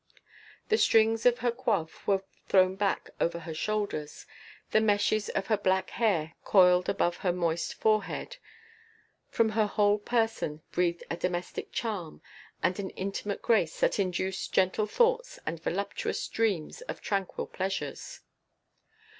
The strings of her coif were thrown back over her shoulders, the meshes of her black hair coiled above her moist forehead; from her whole person breathed a domestic charm and an intimate grace that induced gentle thoughts and voluptuous dreams of tranquil pleasures.